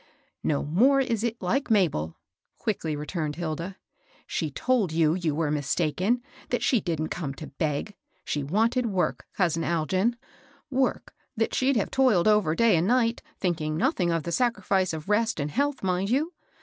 "No more is it like Mabel," quickly returned Hilda. '* She told you you were mistaken, — that she didn't come to heg. She wanted work, cousin Algin, — work that she'd have toiled over day and night, thinking nothing of the sacrifice of rest and health, mind you